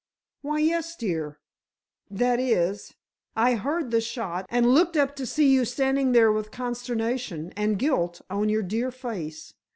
"Why, yes, dear—that is, I heard the shot, and looked up to see you standing there with consternation and guilt on your dear face.